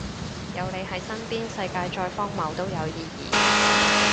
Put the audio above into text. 有你喺身邊，世界再荒謬都有意義